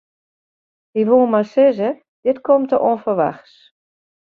Hy woe mar sizze: dit komt te ûnferwachts.